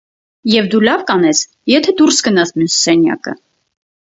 և դու լավ կանես, եթե դուրս գնաս մյուս սենյակը: